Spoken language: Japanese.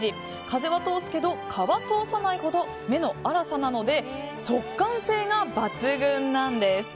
風は通すけど蚊は通さないほどの目の粗さなので速乾性が抜群なんです。